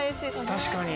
確かに。